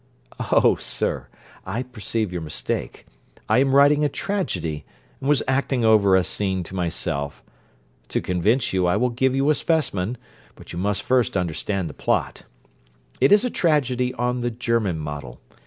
'Oh, sir, I perceive your mistake: I am writing a tragedy, and was acting over a scene to myself. To convince you, I will give you a specimen; but you must first understand the plot. It is a tragedy on the German model.